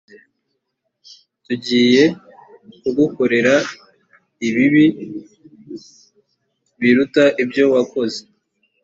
tugiye kugukorera ibibi biruta ibyo wakoze